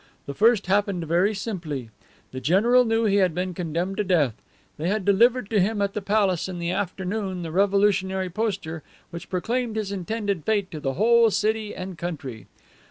The first happened very simply. The general knew he had been condemned to death. They had delivered to him at the palace in the afternoon the revoluntionary poster which proclaimed his intended fate to the whole city and country.